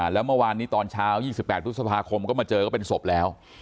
แล้วเมื่อวานนี้ตอนเช้า๒๘พฤษภาคมก็มาเจอก็เป็นศพแล้ว